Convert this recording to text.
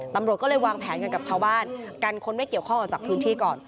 ตำรวจก็เลยวางแผนกันกับชาวบ้านกันคนไม่เกี่ยวข้องออกจากพื้นที่ก่อน